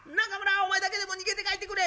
お前だけでも逃げて帰ってくれ！